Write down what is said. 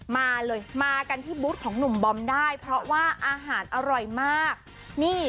มาเลยมากันที่บุตรของหนุ่มบอมได้เพราะว่าอาหารอร่อยมากนี่